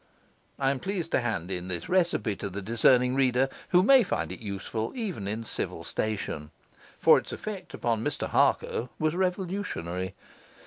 I am pleased to hand in this recipe to the discerning reader, who may find it useful even in civil station; for its effect upon Mr Harker was revolutionary.